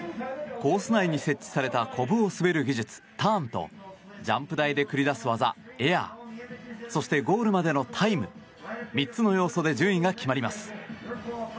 コース内に設置されたコブを滑る技術、ターンとジャンプ台で繰り出す技、エアそしてゴールまでのタイム３つの要素で順位が決まります。